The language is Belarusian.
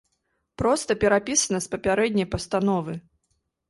Проста перапісана з папярэдняй пастановы.